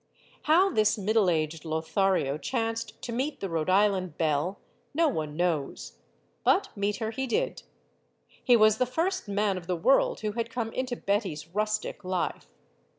How this middle aged Lothario chanced to meet the Rhode Island belle, no one knows. But meet her he did. He was the first man of the world who had come into Betty's rustic life.